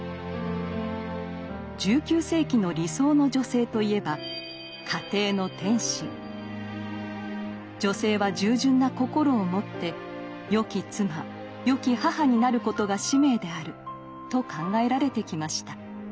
１９世紀の理想の女性といえば女性は従順な心を持ってよき妻よき母になることが使命であると考えられてきました。